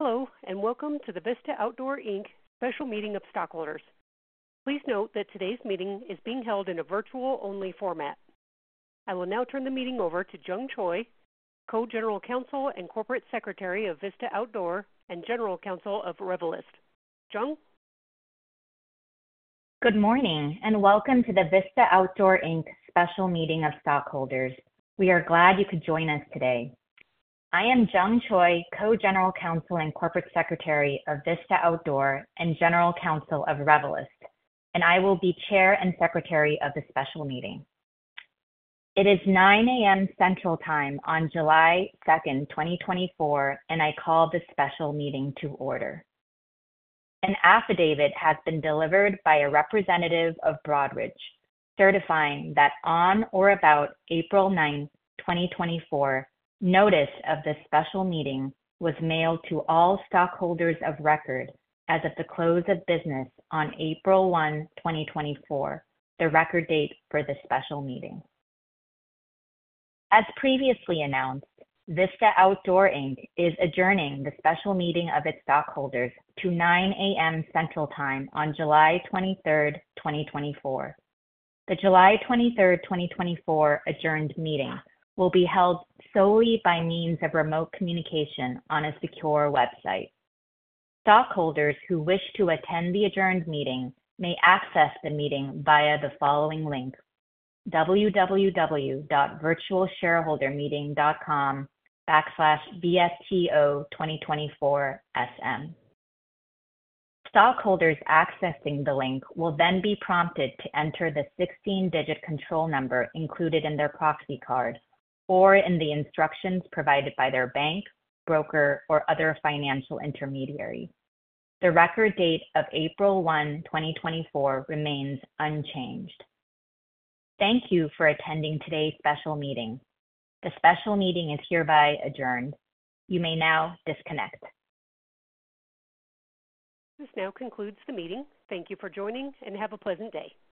Hello, and welcome to the Vista Outdoor Inc. Special Meeting of Stockholders. Please note that today's meeting is being held in a virtual-only format. I will now turn the meeting over to Jung Choi, Co-General Counsel and Corporate Secretary of Vista Outdoor and General Counsel of Revelyst. Jung? Good morning, and welcome to the Vista Outdoor Inc. Special Meeting of Stockholders. We are glad you could join us today. I am Jung Choi, Co-General Counsel and Corporate Secretary of Vista Outdoor and General Counsel of Revelyst, and I will be Chair and Secretary of the Special Meeting. It is 9:00 A.M. Central Time on July 2nd, 2024, and I call the Special Meeting to order. An affidavit has been delivered by a representative of Broadridge, certifying that on or about April 9th, 2024, notice of the Special Meeting was mailed to all stockholders of record as of the close of business on April 1, 2024, the record date for the Special Meeting. As previously announced, Vista Outdoor Inc. is adjourning the Special Meeting of its stockholders to 9:00 A.M. Central Time on July 23rd, 2024. The July 23rd, 2024, adjourned meeting will be held solely by means of remote communication on a secure website. Stockholders who wish to attend the adjourned meeting may access the meeting via the following link: www.virtualshareholdermeeting.com/VSTO2024SM. Stockholders accessing the link will then be prompted to enter the 16-digit control number included in their proxy card or in the instructions provided by their bank, broker, or other financial intermediary. The record date of April 1, 2024, remains unchanged. Thank you for attending today's Special Meeting. The Special Meeting is hereby adjourned. You may now disconnect. This now concludes the meeting. Thank you for joining, and have a pleasant day.